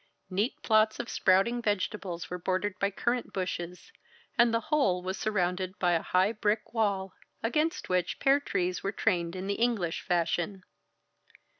Neat plots of sprouting vegetables were bordered by currant bushes, and the whole was surrounded by a high brick wall, against which pear trees were trained in the English fashion.